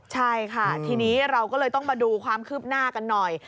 ใช่ค่ะทีนี้เราก็เลยต้องมาดูความคืบหน้ากันหน่อย